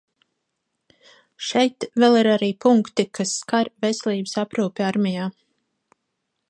Šeit vēl ir arī punkti, kas skar veselības aprūpi armijā.